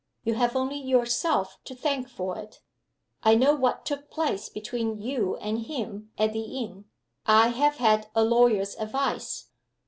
You have only yourself to thank for it. I know what took place between you and him at the inn. I have had a lawyer's advice.